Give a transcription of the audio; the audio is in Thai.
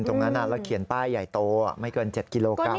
ตรงนั้นแล้วเขียนป้ายใหญ่โตไม่เกิน๗กิโลกรัม